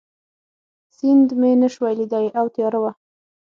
سیند مې نه شوای لیدای او تیاره وه.